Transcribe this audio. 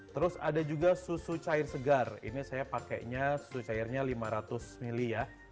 terus ada juga susu cair segar ini saya pakainya susu cairnya lima ratus ml ya